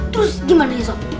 terus gimana ya sok